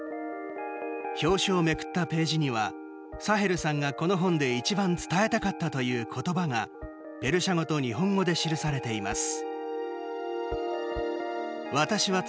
表紙をめくったページにはサヘルさんがこの本で一番伝えたかったという言葉がペルシャ語と日本語で記されています。